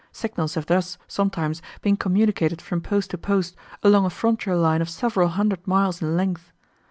Signals have thus, sometimes, been communicated from post to post, along a frontier line of several hundred miles in length.